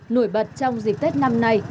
nổi bật trong dịch tết năm nay